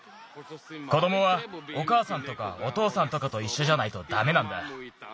子どもはおかあさんとかおとうさんとかといっしょじゃないとダメなんだ。